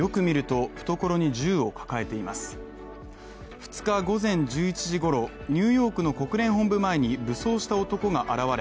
２日午前１１時ごろ、ニューヨークの国連本部前に武装した男が現れ